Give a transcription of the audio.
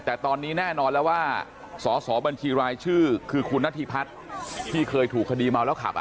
แต่ตอนนี้แน่นอนแล้วว่าสอสอบัญชีรายชื่อคือคุณนาธิพัฒน์ที่เคยถูกคดีเมาแล้วขับ